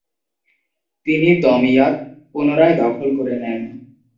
তিনি দমইয়াত পুনরায় দখল করে নেন।